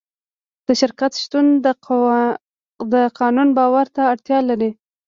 د شرکت شتون د قانون باور ته اړتیا لري.